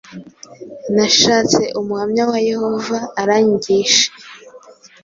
nashatse umuhamya wa yehova arayinyigisha.